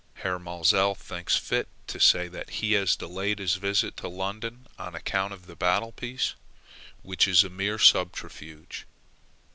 Herr Maelzel thinks fit to say that he has delayed his visit to London on account of the battle piece, which is a mere subterfuge.